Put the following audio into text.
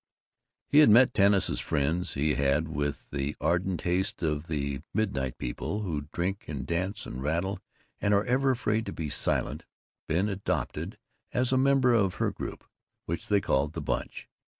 He had met Tanis's friends; he had, with the ardent haste of the Midnight People, who drink and dance and rattle and are ever afraid to be silent, been adopted as a member of her group, which they called "The Bunch."